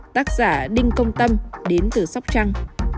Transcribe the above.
tác giả đinh công tâm đến từ sóc trăng